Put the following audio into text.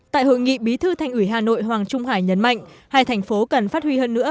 tại hội nghị bí thư thành ủy hà nội hoàng trung hải nhấn mạnh hai thành phố cần phát huy hơn nữa